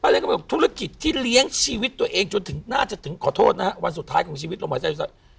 แล้วก็มีบทุกฤตที่เลี้ยงชีวิตตัวเองจนถึงนะจะถึงขอโทษนะวันสุดท้ายของชีวิตลงไป